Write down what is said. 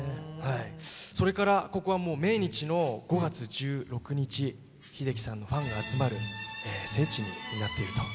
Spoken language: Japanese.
それからここは命日の５月１６日秀樹さんのファンが集まる聖地になっていると。